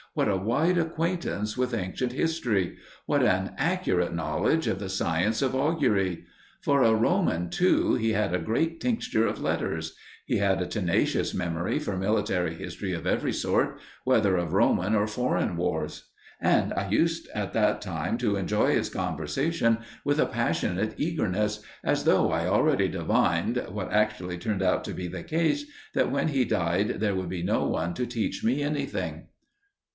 What a wide acquaintance with ancient history! What an accurate knowledge of the science of augury! For a Roman, too, he had a great tincture of letters. He had a tenacious memory for military history of every sort, whether of Roman or foreign wars. And I used at that time to enjoy his conversation with a passionate eagerness, as though I already divined, what actually turned out to be the case, that when he died there would be no one to teach me anything.